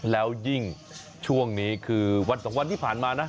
แล้วยิ่งช่วงนี้คือวันสองวันที่ผ่านมานะ